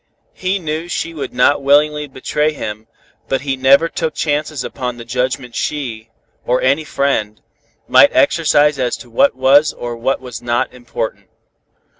He knew she would not willingly betray him, but he never took chances upon the judgment she, or any friend, might exercise as to what was or what was not important.